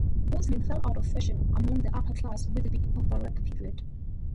Wrestling fell out of fashion among the upper classes with the beginning Baroque period.